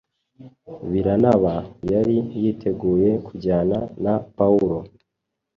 Barinaba yari yiteguye kujyana na Pawulo